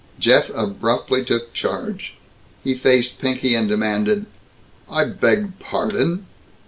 Jeff abruptly took charge. He faced Pinky and demanded, "I beg pardon!"